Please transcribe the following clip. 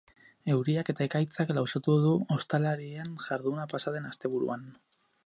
Euriak eta ekaitzak lausotu du ostalarien jarduna pasa den asteburuan.